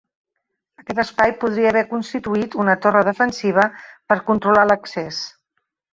Aquest espai podria haver constituït una torre defensiva per controlar l'accés.